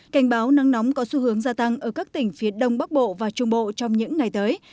cảnh báo nắng nóng có xu hướng gia tăng ở các tỉnh phía đông bắc bộ và trung bộ trong những ngày tới